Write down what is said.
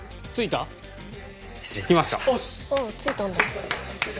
あっ付いたんだ。